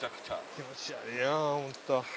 気持ち悪いな本当。